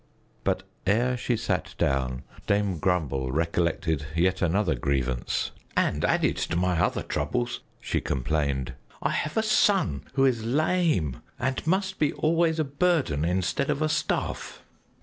But ere she sat down, Dame Grumble recollected yet another grievance. "And added to my other troubles," she complained, "I have a son who is lame and must be always a burden instead of a staff."